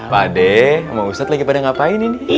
pakde mau ustad lagi pada ngapain ini